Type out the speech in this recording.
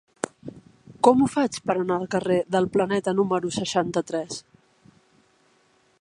Com ho faig per anar al carrer del Planeta número seixanta-tres?